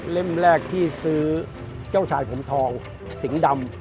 แรกที่ซื้อเจ้าชายผมทองสิงห์ดำ